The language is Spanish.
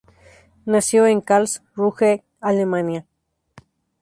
Nació en Karlsruhe, Alemania.